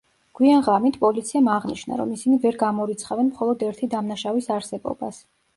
გვიან ღამით, პოლიციამ აღნიშნა, რომ ისინი ვერ გამორიცხავენ მხოლოდ ერთი დამნაშავის არსებობას.